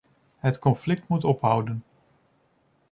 Het conflict moet ophouden.